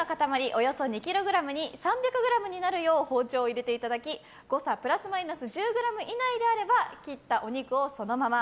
およそ２ｋｇに３００ｇになるよう包丁を入れていただき誤差プラスマイナス１０ｇ以内であれば切った肉をそのまま。